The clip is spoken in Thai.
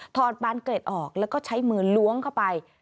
ปานเกร็ดออกแล้วก็ใช้มือล้วงเข้าไป